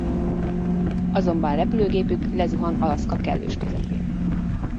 Azonban repülőgépük lezuhan Alaszka kellős közepén.